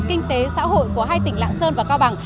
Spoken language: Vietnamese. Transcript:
kinh tế xã hội của hai tỉnh lạng sơn và cao bằng